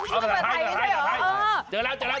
อันนั้นคุณชื่อภาษาไทยนี่ใช่เหรอ